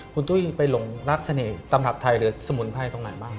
คุณตุ้ยไปหลงรักเสน่ห์ตำรับไทยหรือสมุนไพรตรงไหนบ้าง